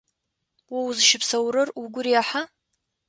О узыщыпсэурэр угу рехьа?